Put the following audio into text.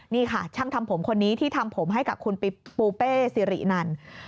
นี่ค่ะช่างทำผมคนนี้ที่ทำผมให้กับคุณปูเป้สิรินัน